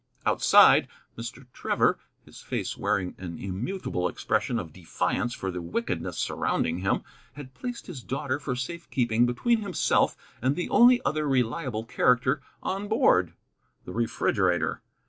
Outside, Mr. Trevor, his face wearing an immutable expression of defiance for the wickedness surrounding him, had placed his daughter for safe keeping between himself and the only other reliable character on board, the refrigerator.